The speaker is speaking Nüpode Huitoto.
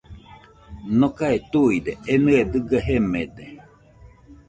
Nokae tuide enɨe dɨga jemede